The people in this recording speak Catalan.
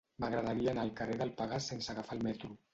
M'agradaria anar al carrer del Pegàs sense agafar el metro.